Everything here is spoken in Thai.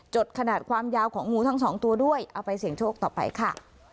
ดขนาดความยาวของงูทั้งสองตัวด้วยเอาไปเสี่ยงโชคต่อไปค่ะ